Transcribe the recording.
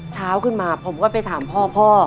เช้าขึ้นมาผมก็ไปถามพ่อพ่อ